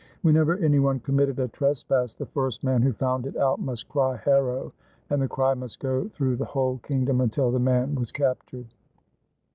Whenever any one committed a trespass, the first man who found it out must cry "Haro!" and the cry must go through the whole king dom until the man was captured.